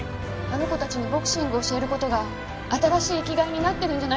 あの子たちにボクシングを教える事が新しい生きがいになってるんじゃないんですか？